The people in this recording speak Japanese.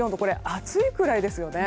暑いくらいですよね。